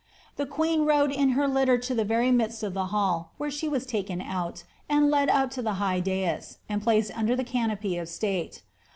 The queen rode in her lii to the very midst of the hall, where she was taken out, and led up the high dais, and placed under the canopy of state.